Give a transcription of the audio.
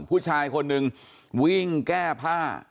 ผู้ชายคนหนึ่งวิ่งแก้ผ้า